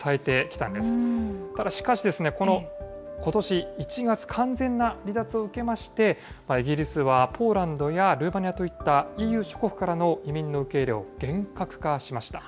ただしかし、ことし１月、完全な離脱を受けまして、イギリスはポーランドやルーマニアといったＥＵ諸国からの移民の受け入れを厳格化しました。